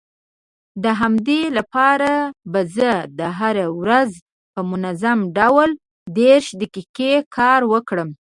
د همدې لپاره به زه هره ورځ په منظم ډول دېرش دقيقې کار وکړم.